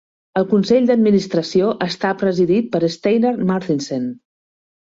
El consell d'administració està presidit per Steinar Marthinsen.